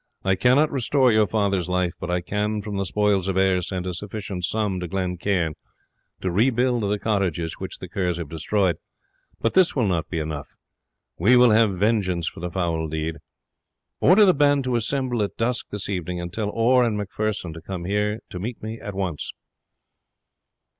I cannot restore your father's life, but I can from the spoils of Ayr send a sufficient sum to Glen Cairn to rebuild the cottages which the Kerrs have destroyed. But this will not be enough we will have vengeance for the foul deed. Order the band to assemble at dusk this evening, and tell Orr and Macpherson to come here to me at once."